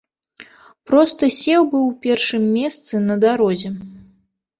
Проста сеў бы ў першым месцы на дарозе.